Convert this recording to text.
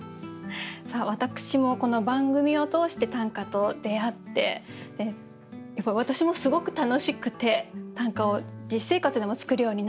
さあ私もこの番組を通して短歌と出会ってやっぱり私もすごく楽しくて短歌を実生活でも作るようになって。